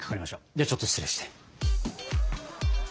ではちょっと失礼して。